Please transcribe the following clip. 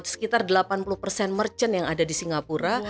sekitar delapan puluh persen merchant yang ada di singapura